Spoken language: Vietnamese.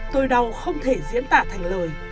tôi đâu không thể diễn tả thành lời